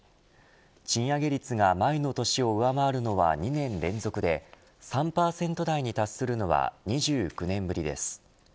賃上げ率が前の年を上回るのは２年連続で３％台に達するのは２９年ぶりです。